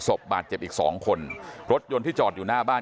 ศพบาดเจ็บอีกสองคนรถยนต์ที่จอดอยู่หน้าบ้าน